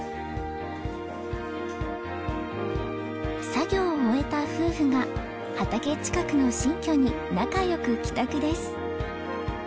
作業を終えた夫婦が畑近くの新居に仲良く帰宅です。